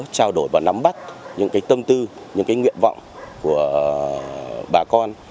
trao đổi và nắm bắt những cái tâm tư những cái nguyện vọng của bà con